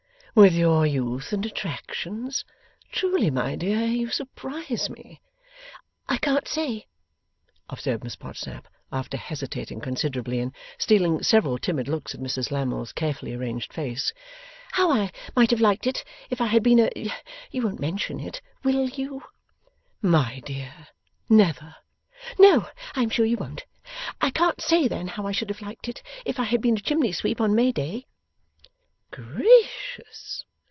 With your youth and attractions? Truly, my dear, you surprise me!' 'I can't say,' observed Miss Podsnap, after hesitating considerably, and stealing several timid looks at Mrs Lammle's carefully arranged face, 'how I might have liked it if I had been a you won't mention it, WILL you?' 'My dear! Never!' 'No, I am sure you won't. I can't say then how I should have liked it, if I had been a chimney sweep on May day.' 'Gracious!